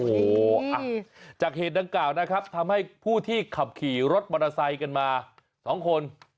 โอ้โหจากเหตุดังกล่าวนะครับทำให้ผู้ที่ขับขี่รถมอเตอร์ไซค์กันมา๒คน